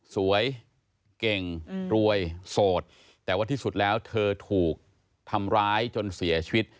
สวยเก่งรวยโสดแต่ว่าที่สุดแล้วเธอถูกทำร้ายจนเสียชีวิต